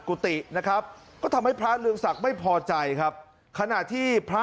กุฏินะครับก็ทำให้พระเรืองศักดิ์ไม่พอใจครับขณะที่พระ